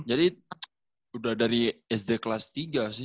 jadi udah dari sd kelas tiga sih